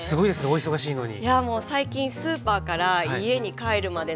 お忙しいのに。